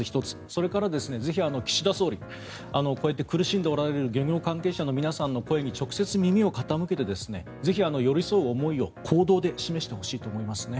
それから、ぜひ岸田総理こうやって苦しんでおられる漁業関係者の皆さんの声に直接、耳を傾けてぜひ寄り添う思いを行動で示してほしいと思いますね。